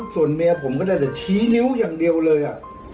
ส่วนเมียผมก็ได้แต่ชี้นิ้วอย่างเดียวเลย